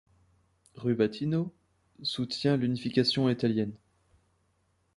Rubattino soutient l'unification italienne.